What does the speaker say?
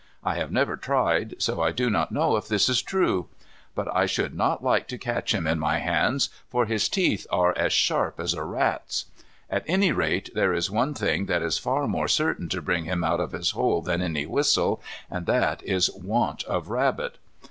I have never tried, so I do not know if this is true. But I should not like to catch him in my hands for his teeth are as sharp as a rat's. At any rate there is one thing that is far more certain to bring him out of his hole than any whistle, and that is want of rabbit.